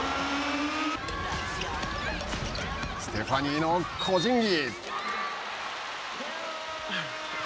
ステファニーの個人技。